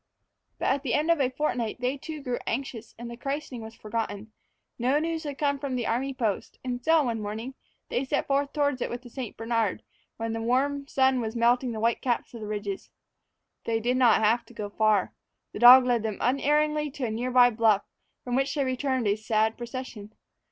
But at the end of a fortnight they too grew anxious, and the christening was forgotten. No news had come from the army post, and so, one morning, they set forth toward it with the St. Bernard, when the warm sun was melting the white caps of the ridges. They did not have to go far. The dog led them unerringly to a near by bluff, from which they returned a sad procession.